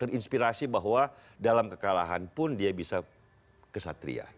terinspirasi bahwa dalam kekalahan pun dia bisa kesatria